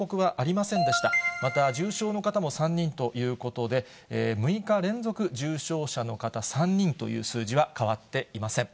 また重症の方も３人ということで、６日連続、重症者の方、３人という数字は変わっていません。